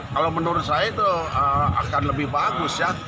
kalau menurut saya itu akan lebih bagus ya